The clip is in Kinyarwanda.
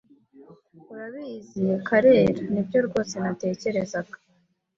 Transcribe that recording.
Urabizi, Karera, nibyo rwose natekerezaga.